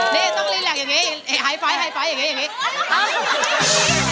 นี่ต้องรีแล็กอย่างนี้ไอ้ไฮไฟท์ไฟท์อย่างนี้อย่างนี้